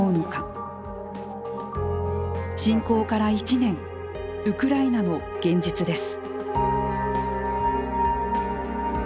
侵攻から１年ウクライナの現実です。